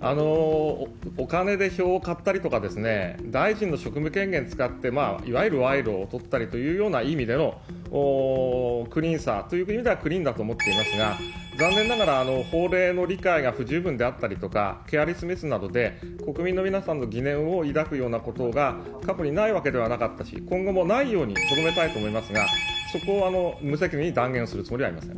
お金で票を買ったりとか、大臣の職務権限使って、いわゆる賄賂を取ったりというような意味でのクリーンさという意味ではクリーンだと思っていますが、残念ながら、法令の理解が不十分であったりとか、ケアレスミスなどで、国民の皆さんの疑念を抱くようなことが過去にないわけではなかったし、今後もないようにとどめたいと思いますが、そこを無責任に断言するつもりはありません。